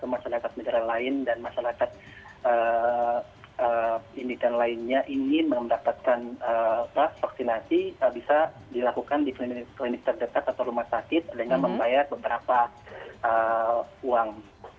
masyarakat negara lain dan masyarakat indikan lainnya ingin mendapatkan vaksinasi bisa dilakukan di klinik klinik terdekat atau rumah sakit dengan membayar beberapa uang